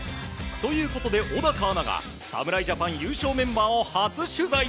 ということで、小高アナが侍ジャパン優勝メンバーを初取材。